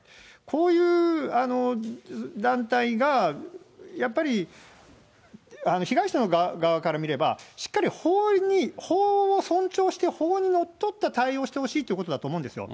こういう団体が、やっぱり被害者の側から見れば、しっかり法を尊重して、法にのっとった対応をしてほしいってことだと思うんですよ。